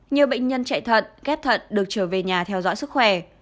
nhiều bệnh nhân chạy thận ghép thận được trở về nhà theo dõi sức khỏe